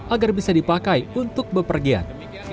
agar bisa dipakai untuk bepergian